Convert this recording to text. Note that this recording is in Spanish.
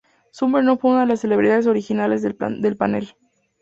Somers no fue una de las celebridades originales del panel.